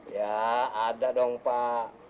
ya ada dong pak